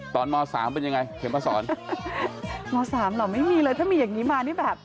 มสามเป็นยังไงเข็มมาสอนมสามเหรอไม่มีเลยถ้ามีอย่างงี้มานี่แบบ